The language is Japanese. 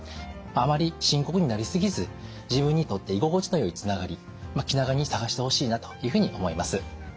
あまり深刻になり過ぎず自分にとって居心地のよいつながり気長に探してほしいなというふうに思います。